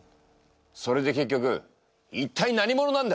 それで結局一体何者なんだ！？